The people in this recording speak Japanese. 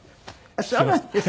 あっそうなんですか。